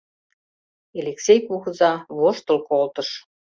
Элексей кугыза воштыл колтыш.